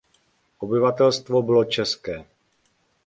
Obyvatelstvo bylo české.